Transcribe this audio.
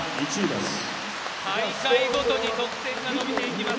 大会ごとに得点が伸びていきます